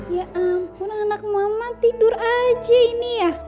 ya ampun anak mama tidur aja ini ya